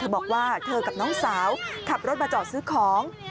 บอกว่าเธอกับน้องสาวขับรถมาจอดซื้อของ